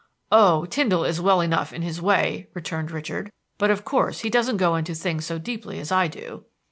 "Oh, Tyndall is well enough in his way," returned Richard, "but of course he doesn't go into things so deeply as I do."